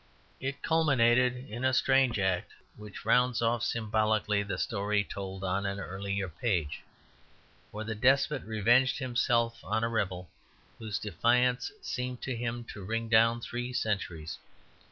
It culminated in a strange act which rounds off symbolically the story told on an earlier page. For the despot revenged himself on a rebel whose defiance seemed to him to ring down three centuries.